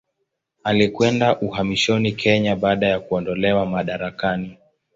Alikwenda uhamishoni Kenya baada ya kuondolewa madarakani.